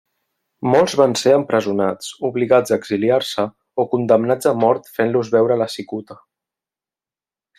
Molts van ser empresonats, obligats a exiliar-se o condemnats a mort fent-los beure la cicuta.